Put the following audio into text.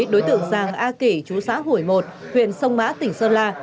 đối tượng giàng a kỷ chú xã hủy một huyện sông mã tỉnh sơn la